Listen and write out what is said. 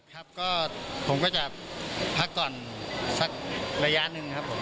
ครับก็ผมก็จะพักก่อนสักระยะหนึ่งครับผม